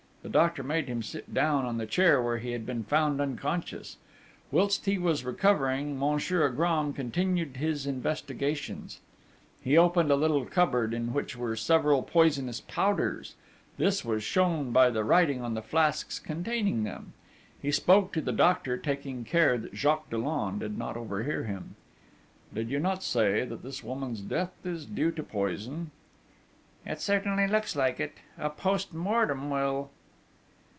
The doctor made him sit down in the chair where he had been found unconscious. Whilst he was recovering, Monsieur Agram continued his investigations. He opened a little cupboard, in which were several poisonous powders: this was shown by the writing on the flasks containing them. He spoke to the doctor, taking care that Jacques Dollon should not overhear him: 'Did you not say that this woman's death is due to poison?' 'It certainly looks like it.... A post mortem will